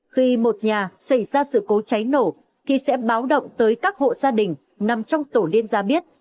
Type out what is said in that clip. khi một nhà xảy ra sự cố cháy nổ thì sẽ báo động tới các hộ gia đình nằm trong tổ liên gia biết